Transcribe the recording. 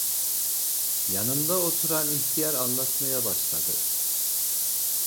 Yanımda oturan ihtiyar anlatmaya başladı.